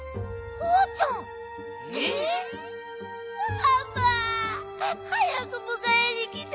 ママはやくむかえにきて！